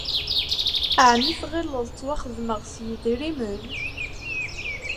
Ɛni tɣileḍ ttwaxedmeɣ s yedrimen?